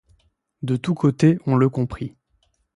De tous côtés, on le comprit.